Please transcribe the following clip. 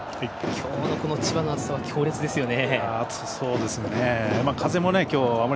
今日の千葉の暑さは強烈ですね。